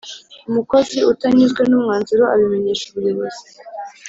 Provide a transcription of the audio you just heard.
Umukozi utanyuzwe n’umwanzuro abimenyesha ubuyobozi